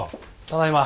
ただいま。